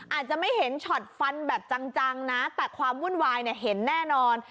อาจจะไม่เห็นช็อตฟันแบบจังนะแต่ความวุ่นวายเนี่ยเห็นแน่นอน